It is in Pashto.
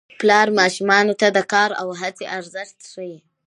پلار ماشومانو ته د کار او هڅې ارزښت ښيي